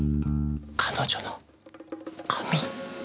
彼女の髪。